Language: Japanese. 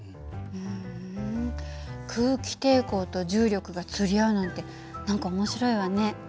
ふん空気抵抗と重力が釣り合うなんて何か面白いわね。